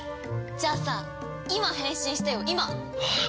じゃあさ今変身してよ今！